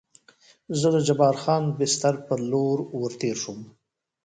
زه د جبار خان بستر په لور ور تېر شوم.